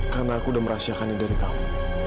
karena aku udah merahsiakannya dari kamu